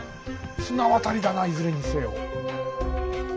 綱渡りだないずれにせよ。